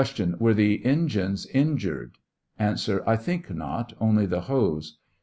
Were the engines injured? A. I think not, only the hose. Q.